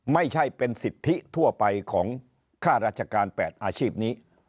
ไม่ใช่เป็นสิทธิทั่วไปของค่าราชการ๘อาชีพนี้